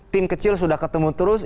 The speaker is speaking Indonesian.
tim kecil sudah ketemu terus